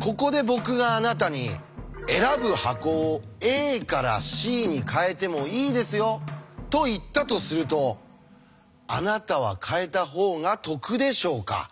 ここで僕があなたに「選ぶ箱をＡからＣに変えてもいいですよ」と言ったとするとあなたは変えた方が得でしょうか？